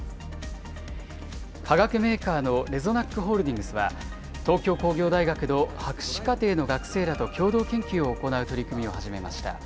化学メーカーのレゾナック・ホールディングスは、東京工業大学の博士課程の学生らと共同研究を行う取り組みを始めました。